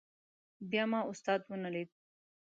بیا ما استاد ونه لید.